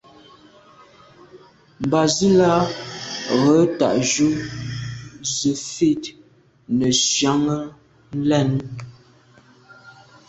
Mbàzīlā rə̌ tà' jú zə̄ fít nə̀ zí'’ə́ lɛ̂n.